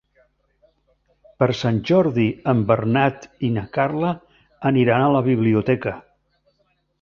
Per Sant Jordi en Bernat i na Carla aniran a la biblioteca.